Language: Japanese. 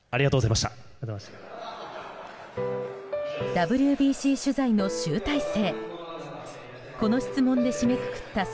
ＷＢＣ取材の集大成。